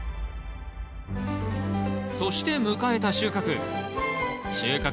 そして迎えた収穫。